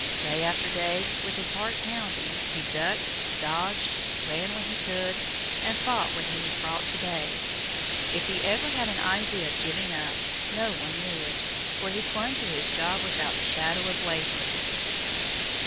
Day after day, with his heart pounding, he ducked, dodged, ran when he could, and fought when he was brought to bay. If he ever had an idea of giving up, no one knew it; for he clung to his job without the shadow of wavering.